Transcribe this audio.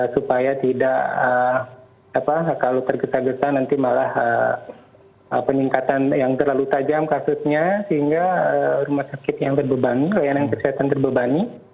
supaya tidak kalau tergesa gesa nanti malah peningkatan yang terlalu tajam kasusnya sehingga rumah sakit yang terbebani layanan kesehatan terbebani